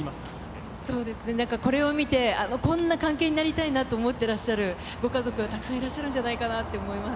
そうですね、なんかこれを見て、こんな関係になりたいなと思っていらっしゃるご家族がたくさんいらっしゃるんじゃないかなと思います。